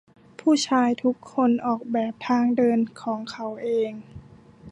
ผู้ชายทุกคนออกแบบทางเดินของเขาเอง